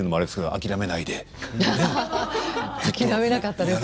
諦めなかったですね。